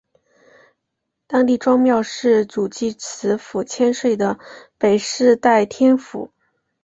当地庄庙是主祀池府千岁的北势代天府。